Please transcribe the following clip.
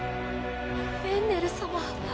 フェンネルさま